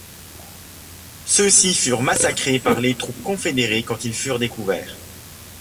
Ceux-ci furent massacrés par les troupes confédérées quand ils furent découverts.